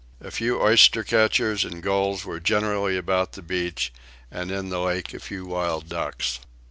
A few oyster catchers and gulls were generally about the beach, and in the lake a few wild ducks.